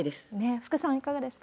福さん、いかがですか？